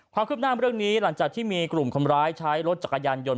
ความคืบหน้าเรื่องนี้หลังจากที่มีกลุ่มคนร้ายใช้รถจักรยานยนต